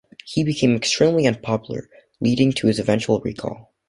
He became extremely unpopular, leading to his eventual recall.